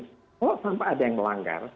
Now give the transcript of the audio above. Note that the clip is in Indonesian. kalau tanpa ada yang melanggar